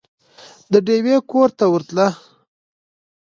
د ډېوې کور ته ورتله